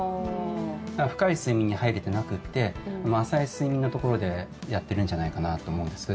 だから、深い睡眠に入れてなくて浅い睡眠のところでやっているんじゃないかなと思うんです。